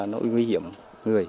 nó nguy hiểm người